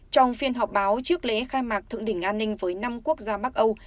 trong phiên họp báo trước lễ khai mạc thượng đỉnh an ninh với năm quốc gia bắc âu